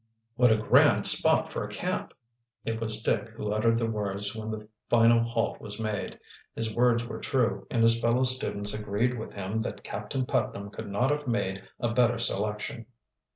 "What a grand spot for a camp!" It was Dick who uttered the words when the final halt was made. His words were true, and his fellow students agreed with him that Captain Putnam could not have made a better selection.